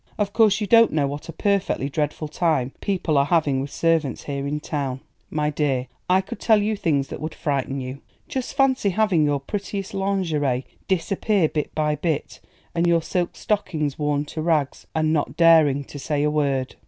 Of course you don't know what a perfectly dreadful time people are having with servants here in town. My dear, I could tell you things that would frighten you! Just fancy having your prettiest lingerie disappear bit by bit, and your silk stockings worn to rags, and not daring to say a word!"